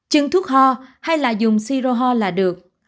chừng thuốc ho hay là dùng siroho là được